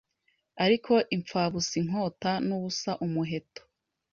Ariko impfabusa Inkota nubusa Umuheto